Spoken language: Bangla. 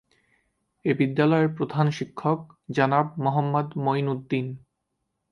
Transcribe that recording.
এ বিদ্যালয়ের প্রধান শিক্ষক জনাব মোহাম্মদ মঈন উদ্দীন।